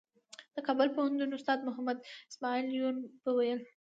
د کابل پوهنتون استاد محمد اسمعیل یون به ویل.